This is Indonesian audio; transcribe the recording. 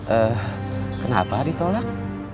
eh kenapa ditolak